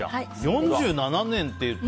４７年っていうと。